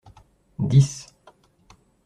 Dix.